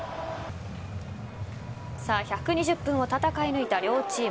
１２０分を戦い抜いた両チーム。